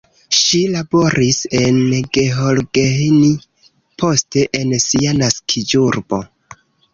Ŝi laboris en Gheorgheni, poste en sia naskiĝurbo.